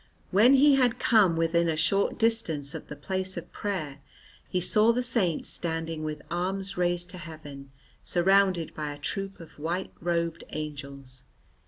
When he had come within a short distance of the place of prayer, he saw the Saint standing with arms raised to heaven, surrounded by a troop of white robed angels.